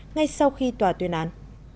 ngay sau khi tòa tuyên án